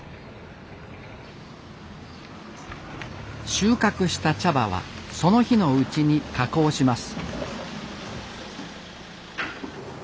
収穫した茶葉はその日のうちに加工します